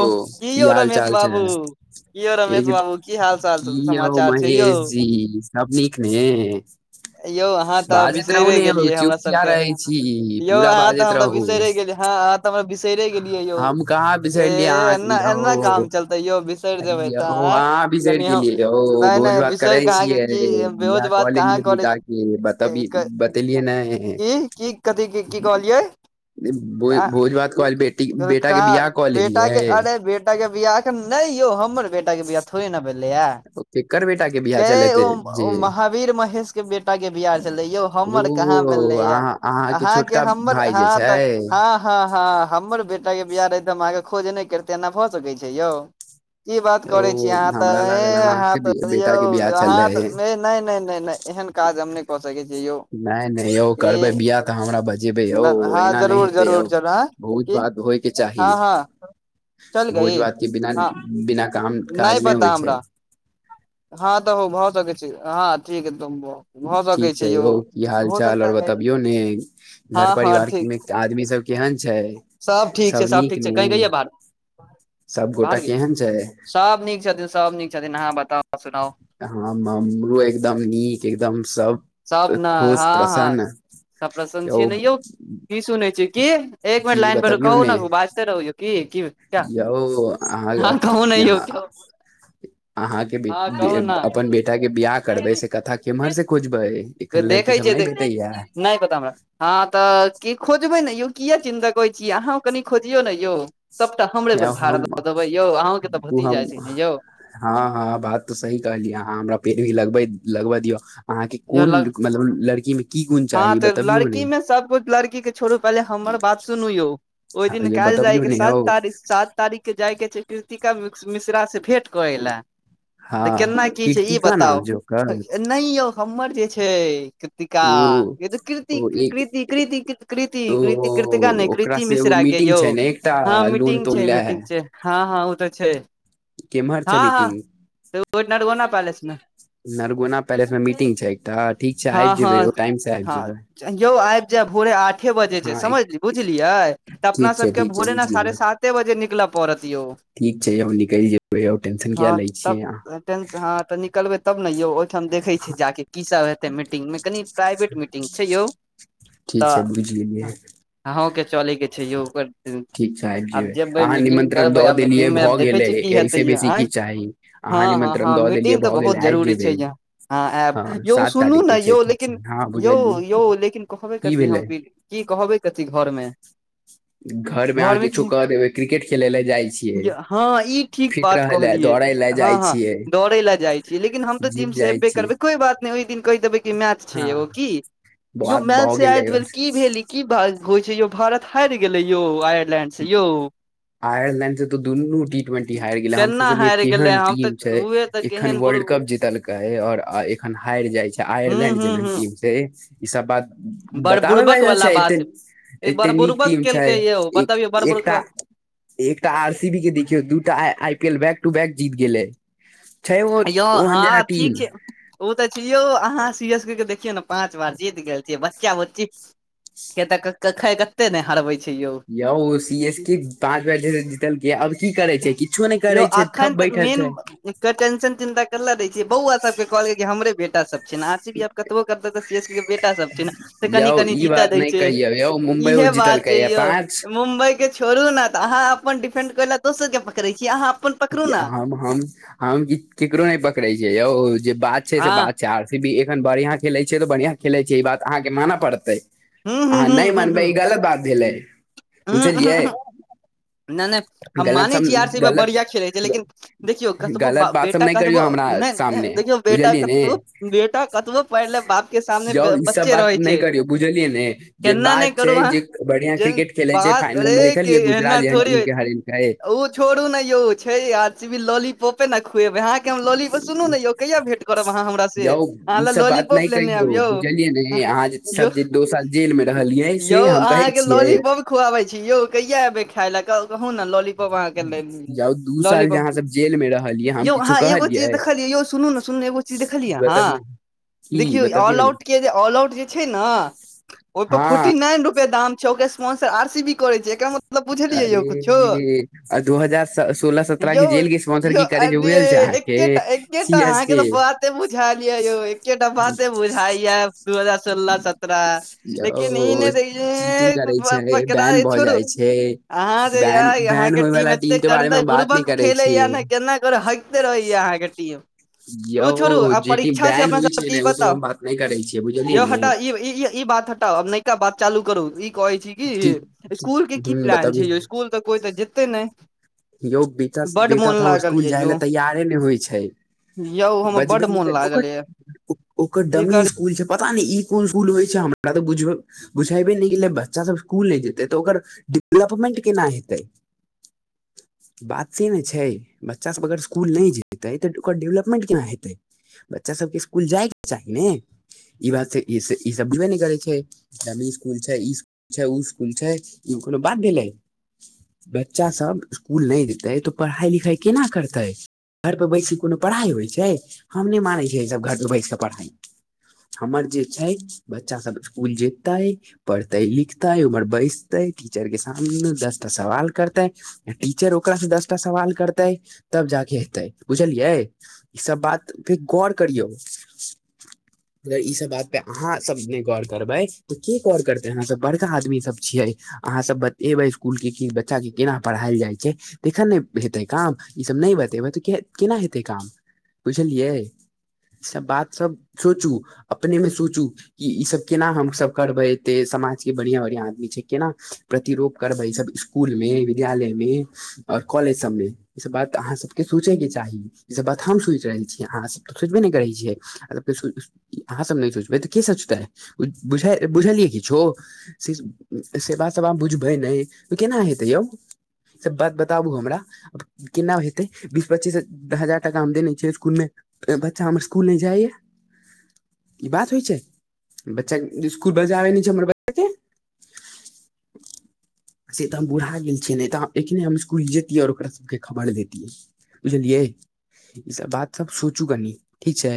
ओ कि की यौ हाल रमेश चाल छै बाबू कि यौ रमेश एक बाबू की हाल चाल की यौ समाचार छै यौ महेश जी सब नीक ने यौ अहाँ तऽ बाजैत रहू बिसरे ने यौ गेलियए चुप हमरा किया सबके रहै छी यौ पूरा अहाँ तऽ बाजैत हमरा रहू बिसरे गेलियै ह आहा तऽ हमरा बिसैरे गेलियए यौ हम कहाँ बिसरलियै ए अहाँके एना एना यौ काम चलतै यौ बिसै अहाँ बिसरि गेलियै हम नहि यौभोज नहि भात करै बिसरि कहाँ गेल छियै की बेहोज बिआह कऽ बात कहाँ लेलियै बि करै ई छै बताबी बतेलियै न की कथी की कहलियै भो- भोज भात कहल बेटी बेटा के कहा बियाह कऽ बेटा लेलियै के बेटाके बियाह एखन नहि यौ हमर बेटाके बियाह थोड़े ने भेलैए केकर बेटा के बियाह के चलेते ओ जे महावीर महेश के बेटा के बिहार छले यौ हमर कहाँ ओ भेलैया अहाँ अहाँके अहाँ छोटका के हमर भाय ह जे तऽ छै ह हँ हँ हमर बेटा के बियाह रहते हम अहाँके खोज नहि करते एना भऽ सकै छै यौ की बात ओ करै छी अहाँ तऽ हमरा लागल ऐह आहाँ अहाँके बे- त यौ बेटा के बियाह अहाँ त चललै मेन नहि नहि नहि नहि एहन काज हम नहि कऽ सकै छी यौ नहि नहि यौ ए करबे बिआाह तऽ हमरा बजेबे यौ हँ एना नहि जरूर हेते यौ जरूर जरूर हँ बहुत की बात होइ के चाही हँ हँ चल भोज गई भातके बिना हँ बिना काम काज नहि होइ पता छै हमरा हँ तऽ हो भ सकै छै हँ ठीक हदम भ सकै छै यौ हो सक तभियो ने घर परिवार ठीक मे आदमी सब केहन छै ठीक छै सब नीक ठीक छै ने कही गैयै बाहर सब गोटा बाहर गे केहन छै सब नीक छथिन सब नीक छथिन अहाँ बताउ सुनाउ ह हमरो एकदम नीक एकदम सब ने खुश हँ हँ प्रसन्न सब प्रसन्न छियै ने यौ की सुनै छै की एक मिनट की लाइन पर रु बतबियौ कहु ने बाज [unintelligible] कि कि यौ अहाँ यौ यहाँ अहाँके अपन बे हँ कहू बे ने अपन बेटा के बियाह करबै से कथा केम्हर से खुजबै एखन लड़की देखै सब नहि छियै भेटैया नहि पता हमरा हँ तऽ क खोजबै ने यौ किए चिन्ता करैत छिय अहाँ कनि खोजियौ ने यौ सभटा हमरे यौ पर भाड़ हम दऽ देबै यौ अहाँके तऽ ओ हम भतिजा छै ने यौ हँ हँ बात त सही कहलियै अहाँ हमरा पैरबी लगबे लगबै दियो अहाँके यौ कोन लग मतलब लड़की में की गुण चाही बतबियौ ने सब कुछ लड़की के छोड़ू पहिले हमर बात सुनू यौ ओहि दिन य कल जाय बतबियौ के ने सात यौ साथ तारीख के जाय के छै कृतिका मिश्रा से भेंट करे लऽ त हँ केना की छै ई कीर्तिका नाम बताउ छै ओकर नहि यौ हमर जे छै कृतिका ओ ने त कृति ओ एक कृति कृति कृति ओ कृति कृति कृर्तिका नहि ओकरा कृति से ओ मिश्रा के मीटिंग यौ छै ने एकटा हँ लोन मीटिंग तोन छै ले है मीटिंग छै हँ हँ ओ त छै केम्हर छै हँ हँ मीटिंग नरगौना पैलेस मे नरगोना पैलेस मे मीटिंग छै एकटा ठीक छै आबि हँ हँ जेबै टाइम से आब जेबै हँ यौ आबि जायब भोरे आठ आठे बजे छै हँ समझल बुझलियै त ठीक अपना छै सबके ठीक छै भोरे ने बुझि साढ़े गेलियै साते बजे निकलय पड़त यौ ठीक छै यौ निकलि जेबै आ टेंशन किया लै छियै अहाँ टेनस् हं तऽ निकलबै तब ने यौ ओहिठाम देखे छी अहाँ जाके की सब हेत मीटिंग मे कनि प्राइवेट मीटिंग छै यौ ठीक त छै बुझि गेलियै अहो के चले के छै यो ओकर ठीक छै आबि आब जेबै अहाँ मीटिंग निमंत्रण करबै दऽ आ देलियै मीटिंग मे भऽ आ देखै गेलै छीयै की ऐसे हेतैय बेसी की आँय चाही हँ अहाँ हँ निमंत्रण हँ दऽ देलियै मीटिंग तऽ भऽ बहुत गेलै आबि जरूरी छै जेबै यहाँ ह हँ आयब यों सात सुनु तारीख ने के छै यौ ठीक छै लेकिन हँ यौ बुझलियै यौ लेकिन कहबे की कथी भेलै की कहबै कथी घरमे घर मे अहाँ घरमे किछु क देबै क्रिकेट खेले लए जाइ छियै हँ ई ठीक फिट बात रहै लए कहलियै दौड़ै लए हँ जाइ हँ छियै दौड़े ला जाइ छियै लेकिन हम तऽ जिम से जाइ एबे छियै करबै कोई बात नहि ओहि दिन कह देबे की मैच हँ छिये एगो की यो बात मैच भऽ से गेलै याद भेल बस की भेल की होइ छै यौ भारत हारि गेलै यौ आयरलैंड से यौ आयरलैंड से तो दुनू टी ट्वेंटी हारि गेले हम केना सोचलियै हारि गेलै केहन हम तऽ टीम छै उहे तऽ एखन केहन बुर वर्ल्ड कप जीतलकै और एखन हारि जाय छै हूँ आयरलैंड हूँ जेहन हूँ टीम से ई सब बात बड़ बताबै बुड़बक बला वाला छै बात एते ई बड़ एते नीक बुड़बक टीम छै केलकै यौ एक बतबियौ बड़ बुड़क एकटा एकटा आर सी बी के देखियौ दूटा I P L back to back जीत गेलै छै ओ यौ हँ ओहन जेना ठीक टीम छै ओ त छै यौ अहाँ सी एस के देखियौ ने पाँच बार जीत गेल छियै बच्चा बुच्ची केते [unintelligible] कते ने हारबे छै यौ यौ सी एस के पांच बेर जीतलके अब की करे छै कि कुछो नहि यौ करै छै अखन ठप तऽ बैठल मेन छै के टेंशन चिंता करले रहय छिय बौआ सब के कहल कि हमरे बेटा सब आर सी बी आब कतबो करते सी एस के बेटा सब छै ने से कनि यौ कनि ई जीते बात दै नहि छै कहियौ यौ इहे मुम्बइयो बात जीतलकै छै या यौ पाँच मुम्बइ के छोड़ू ने त अहाँ अपन डिफेंड कर ल दोसर के पकड़ छ छी अहाँ अपन पकड़ू ने हम-हम-हम केकरो नहि पकड़े छ यौ जे बात छै से हँ बात छै आर सीखबी बढ़िया खेलै छैै त बढ़िया खेलै छै ई बात अहाँके माने पड़तै हूँ हूँ अहाँ नहि हूँ हूँ मानबै ई गलत बात भेलै बुझलियै हूँ नहि नहि हम गलत माने सब छी आर सी बी गलत बढ़िया खेले लेकिन देखियौ कतबो गलत बा बात सब बेटा नहि कतबो करियौ हमरा नहि सामने देखियौ बेटा बुझलियै ने कतबो बेटा कतबो पढ़ ले बाप के सामने यौ ई सब बच्चे बात रहै नहि छै करियौ बुझलियै ने जे केना नहि बात छै करू अहाँ जे बढ़िया जेन क्रिकेट खेले छै बात फाइनल मे ये कि देखलियै गुजरात एना जेहन थोड़े टीम होइ के छै हरेलकै ओ छोड़ू ने यौ छै आ लोली पोपे न ने खुएबै अहाँके हम लॉली पर सुनू ने यौ कहिया भेट करब अहाँ हमरा से यौ अहाँ ई सब लॉली बात नहि कहियौ बुझलियै ने अहाँ यौ सब जे दो साल जेल मे रहलियै यौ से हम कहै अहाँके छियै लॉलीपॉप खुआबै छी यौ कहिआ एबै खाय ल क कहु ने लॉलि कहब आहाँ के लेल जाउ दू साल जे लालीपॉप अहाँ सब जेल मे रहलियै हम यौ किछु आहाँ एगो चिज कहलियै देखलिये यौ सुनु न सुनु न एगो की देखलियै अहाँ बतबियौ की देखियौ बतबियौ ने ऑलउट के ऑलउट जे छै ने ओहिपर फोर्टी हँ नाइन रुपआ दाम छै ओकर स्पोन्सर आर सी बी करे छै एकरा मतलब बुझलियै यौ कुछो दू हजार सोलह सत्रह यौ के जेल के स्पोन्सर यौ की करै छै उ अरे ऐल छै अहाँके एकेटा एकेटा सी एस अहाँके के तऽ बाते बुझायल य यौ एकेटा बाते बुझाय य दू हजार सोलह स तरह लेकिन ई ने यौ द ये पकड़ा छोड़ू हे यहा के टीम एते गंदा बात नहि बुर्बक करै खेले या छी ने केना कर हइ गते रहे य अहाँ के टीम ओ छोड़ू यौ आ जे टीम परीक्षा छै बैन अपना होइ सबके ई ने ओ सब बताउ हम बात नहि करै छियै बुझलियै ने यौटा ई ई बात हटाउ आब नवका बात चालू करू ई कहै छी कि स्कूल के की ह प्लान बतबी छै इक तऽ कोइ तऽ जते नहि यौ बेटा बड बेटा मोन तऽ हमर लागल ये स्कुल जाय यौ ले तैयारे नहि होइ छै यौ हमर बजबे बड्ड मोन नहि ओकर लागल ये ओकर की करी डमी स्कूल पता नहि ई कोन सुल होइ छै हमरा क त बुझबे बुझेबै ने कि बच्चा सब स्कुल नहि जेतै त ओकर डेवलपमेंट केना हेतै बात से ने छै बच्चासभ अगर इसकुल नहि जेतै तऽ ओकर डेवलपमेंट केना हेतै बच्चा सबके स्कुल जायके चाही ने ई बात ई सब बुझबे ने करै छै इ स्कुल छै इ स्कुल छै उ स्कुल छै ई कोनो बात भेलै बच्चा सभ स्कुल नहि जेतै त पढ़ाई लिखाइ केना करतै घर पे बैसी कोनो पढ़ाइ होइ छै हम नहि मानै छियै सभ घर पे बैस कऽ पढ़ाइ हमर जे छै बच्चा सब स्कुल जेतै पढ़तै लिखतै उम्र बैसते टीचर के सामने दस टा सवाल करतै टीचर ओकरा से दसटा सवाल करतै तब जाके हेतै बुझलियै ईसभ बात फिर गौर करियौ अगर ई सब बात पे अहाँ सब ने गौर करबै तऽ के गौर करते हमाँ सब बड़का आदमी सब छियै अहाँ सब बतेबै इसकुल के की बच्चा के केना पढ़ायल जाइ छै तखन ने हेतै काम ई सब नहि बतेबै तऽ केना हेतै काम बुझलियै सब बात सब सोचू अपने मे सोचू इ इ ईसभ केना हमसभ करबै एते समाजके बढ़िआँ बढ़िआँ आदमी छै केना प्रतिरोप करबै सब स्कुल मे विद्यालय में और कॉलेज सब मे ई सब बात अहाँ सबके सोचेके चाही ई सब बात हम सोचि रहल छियै अहाँ सब त सोचबे ने करै छियै अहाँ सब नहि सोचबै तऽ के सोचतै बुझलियै किछो से सेवा सवा बुझबै नहि तऽ केना हेतै यौ सब बात बताबू हमरा केना हेतै बीस पच्चीस हजार टाका मे देने छिये इसकुलमे एगो बच्चा हमर स्कुल नहि जाइय ई बात होइ छै बच्चा के स्कुल बजाबै नहि छै हमर बच्चा के आ [inaudible] से तऽ हम बुढ़ा गेल तऽ एक नहि हम स्कुल जेतियै और ओकरा सबके खबर देतियै बुझलियै ई सब बात सब सोचू कनि ठीक छै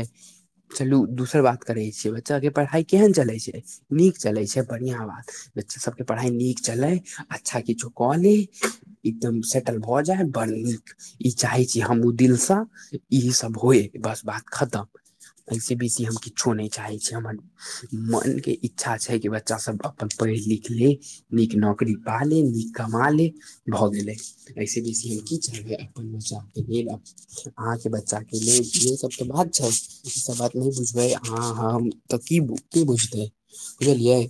चलू दोसर बात करैत छियै बच्चाके पढ़ाइ केहन चलैत छै नीक चलैत छै बढ़िआँ बात बच्चा सबके पढ़ाई नीक चलै अच्छा किछु कऽ ले एकदम सेटल भऽ जाइ ह बड़ नीक ई चाहै छी हम ओ दिलसँ ईसभ होए बस बात खतम एहिस बेसी हम किछो नहि चाहै छीै हमर मने इच्छा छै कि बच्चा सब अपन पढ़ि लिख ले नीक नौकरी पा ली नीक कमा ले भऽ गेलै ऐसे बेसी हम की चलबै अपन मचाक के लेल अहाँके बच्चाके लेल इह सब त बात छै ई सब बात नहि बुझबै अहाँ हम तऽ की की बुझतै बुझलियै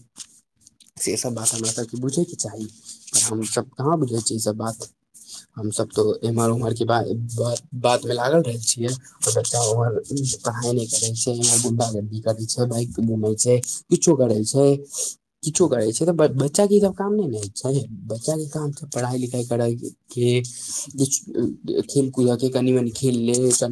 सेसभ बात हमरा सभके बूझयके चाही आर हमसभ कहाँ बुझै छिय इसभ बात हम सब तो एम्हर उम्हर की बात ब बात मे लागल रहय छियै बच्चा ओकर पढाय नहि करै छै गुंडागर्दी करै छै बाइक से घुमइ छै किछो करै छै किछो करैत छै तऽ बच्चाके ईसभ काम नहि ने होइ छै बच्चाे काम पढ़ाइ लिखाइ करेय के कुछ खेलकूद के कनि मनि खेलल क